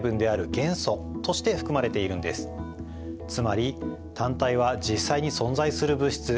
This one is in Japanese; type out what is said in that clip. つまり単体は実際に存在する物質